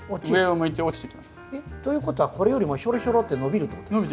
えっということはこれよりもヒョロヒョロって伸びるってことですか？